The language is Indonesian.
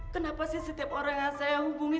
kenapa sih setiap orang yang saya hubungi